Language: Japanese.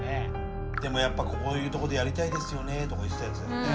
でもやっぱこういうとこでやりたいですよねとか言ってたやつだよね。